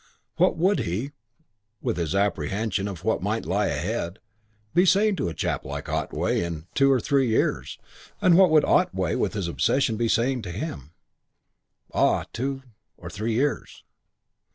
What would he, with his apprehension of what might lie ahead, be saying to a chap like Otway in two or three years and what would Otway with his obsessions be saying to him? Ah, two or three years...!